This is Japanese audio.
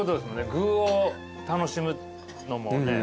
具を楽しむのもね。